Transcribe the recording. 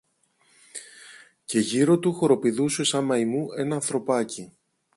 και γύρω του χοροπηδούσε σα μαϊμού ένα ανθρωπάκι